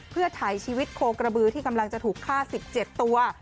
เพื่อถ่ายชีวิตโคกระบือที่กำลังจะถูกฆ่า๑๗ตัว